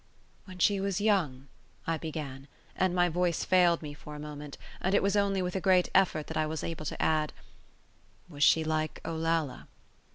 "When she was young," I began, and my voice failed me for a moment, and it was only with a great effort that I was able to add, "was she like Olalla?"